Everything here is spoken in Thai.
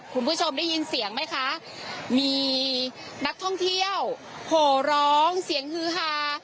คุณผู้ชมได้ยินเสียงไหมคะมีนักท่องเที่ยวโหร้องเสียงฮือฮา